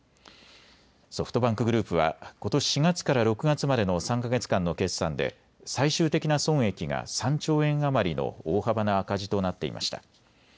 ソフトバンクグループはことし４月から６月までの３か月間の決算で最終的な損益が３兆円余りの大幅な赤字となっていました。